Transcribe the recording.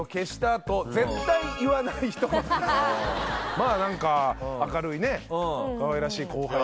まあ何か明るいねかわいらしい後輩ですよね